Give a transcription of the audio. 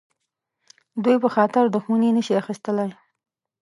دوی په خاطر دښمني نه شي اخیستلای.